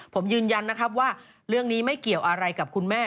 ผมยืนยันนะครับว่าเรื่องนี้ไม่เกี่ยวอะไรกับคุณแม่